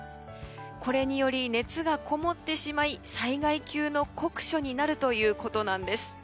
これにより熱がこもってしまい災害級の酷暑になるということなんです。